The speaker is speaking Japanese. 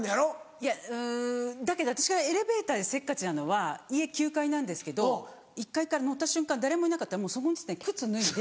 いやうんだけど私がエレベーターでせっかちなのは家９階なんですけど１階から乗った瞬間誰もいなかったらもうそこの時点で靴脱いで。